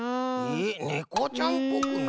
えっねこちゃんっぽくな？